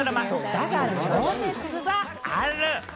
『だが、情熱はある』。